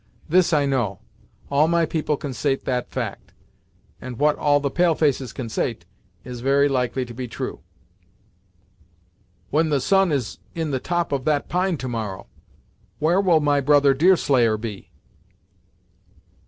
This I know; all my people consait that fact, and what all the pale faces consait, is very likely to be true." "When the sun is in the top of that pine to morrow, where will my brother Deerslayer be?"